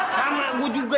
sama gua juga